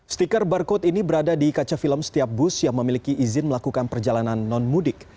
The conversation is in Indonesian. stiker barcode ini berada di kaca film setiap bus yang memiliki izin melakukan perjalanan non mudik